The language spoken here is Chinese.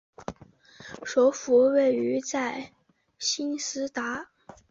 首府位在兴实达。